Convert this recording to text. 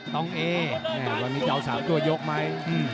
ตอนนี้จะเอา๓ตัวยกมั้ย